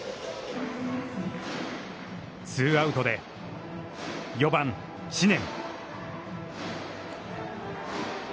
ツーアウトで、４番知念。